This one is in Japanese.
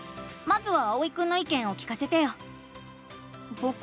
まずはあおいくんのいけんを聞かせてよ！